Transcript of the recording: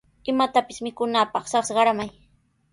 Imatapis mikunaapaq sas qaramay.